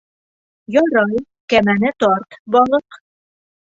Ярай, кәмәне тарт, балыҡ.